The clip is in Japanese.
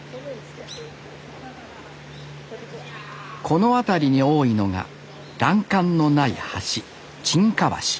この辺りに多いのが欄干のない橋「沈下橋」。